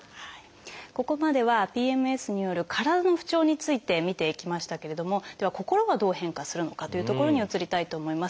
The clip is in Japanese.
ここまではＰＭＳによる体の不調について見ていきましたけれどもでは心はどう変化するのかというところに移りたいと思います。